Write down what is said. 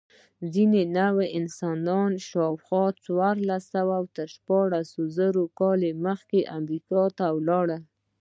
ځینې نوعې انسان شاوخوا څوارلس تر شپاړس زره کاله مخکې امریکا ته ولاړ.